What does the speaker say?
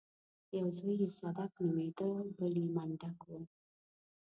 يو زوی يې صدک نومېده بل يې منډک و.